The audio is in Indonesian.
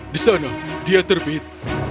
di sana dia terbit